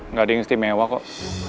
nggak ada yang istimewa kok